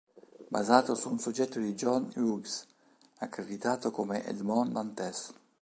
Basato su un soggetto di John Hughes, accreditato come "Edmond Dantès".